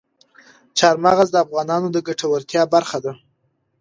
چار مغز د افغانانو د ګټورتیا برخه ده.